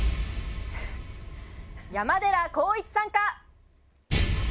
山寺宏一さんか。